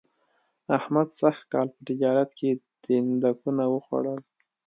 احمد سږ کال په تجارت کې تیندکونه و خوړل